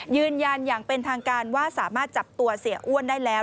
ยืนยันอย่างเป็นทางการว่าสามารถจับตัวเสียอ้วนได้แล้ว